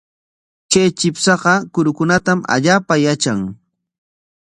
Kay chipshaqa kurukunatam allaapa yatran.